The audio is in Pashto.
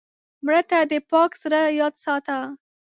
مړه ته د پاک زړه یاد ساته